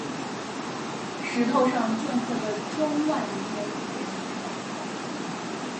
石头上镌刻着中外名人名言。